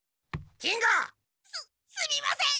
すすみません！